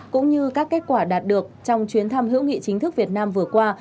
cũng như các kết quả đạt được trong chuyến thăm hữu nghị chính thức việt nam vừa qua